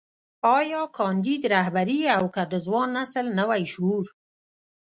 ايا کانديد رهبري او که د ځوان نسل نوی شعور.